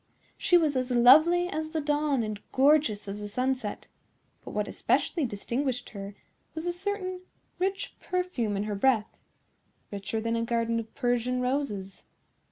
She was as lovely as the dawn and gorgeous as the sunset; but what especially distinguished her was a certain rich perfume in her breath—richer than a garden of Persian roses.